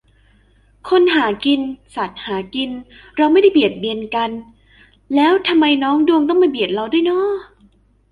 คนหากิน สัตว์หากิน เราไม่เบียดเบียนกันและกัน แล้วทำไมน้องดวงต้องมาเบียดเราด้วยหนอ